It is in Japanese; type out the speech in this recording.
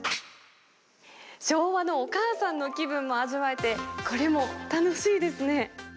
昭和のお母さんの気分も味わえて、これも楽しいですね！